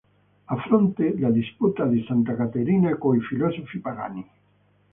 A fronte, la "Disputa di Santa Caterina coi filosofi pagani".